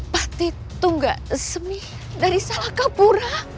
pati tunggak semi dari salakapura